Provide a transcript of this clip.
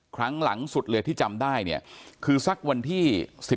ครั้งหลังสุดเลยที่จำได้เนี่ยคือสักวันที่๑๑